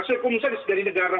sekumensis dari negara